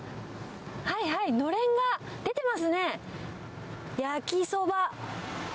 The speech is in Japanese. はいはい、のれんが出てますね。